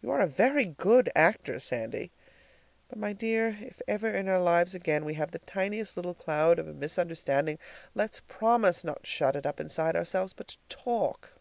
You are a very good actor, Sandy. But, my dear, if ever in our lives again we have the tiniest little cloud of a misunderstanding, let's promise not to shut it up inside ourselves, but to TALK.